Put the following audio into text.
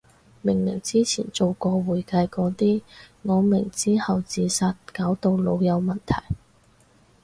明明之前做過會計個啲，我明之後自殺搞到腦有問題